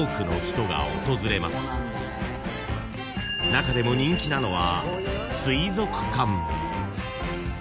［中でも人気なのは］